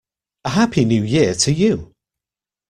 A happy New Year to you!